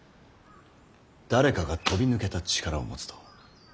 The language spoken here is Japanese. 誰かが飛び抜けた力を持つと必ず政が乱れ。